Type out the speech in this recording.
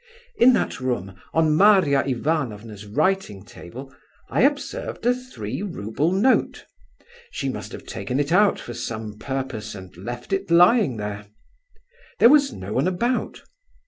In that room, on Maria Ivanovna's writing table, I observed a three rouble note. She must have taken it out for some purpose, and left it lying there. There was no one about.